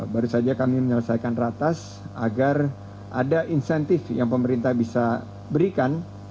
baru saja kami menyelesaikan ratas agar ada insentif yang pemerintah bisa berikan